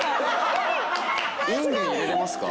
インゲン入れますか？